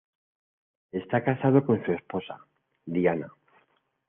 Está casado con su esposa, Diana.